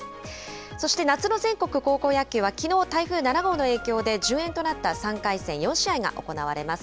そして夏の全国高校野球はきのう、台風７号の影響で順延となった３回戦４試合が行われます。